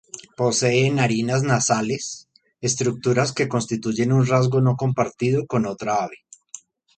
Posee narinas nasales, estructuras que constituyen un rasgo no compartido con otra ave.